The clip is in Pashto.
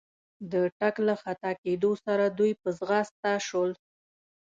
د ټک له خطا کېدو سره دوی په ځغستا شول.